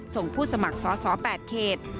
ส่งผู้สมัครสอสอ๘เขต